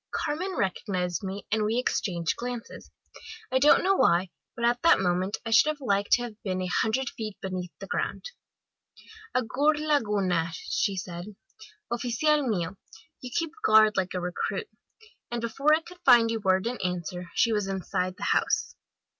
"Carmen recognised me, and we exchanged glances. I don't know why, but at that moment I should have liked to have been a hundred feet beneath the ground. "'Agur laguna,' * said she. 'Oficial mio! You keep guard like a recruit,' and before I could find a word in answer, she was inside the house. * Good day, comrade!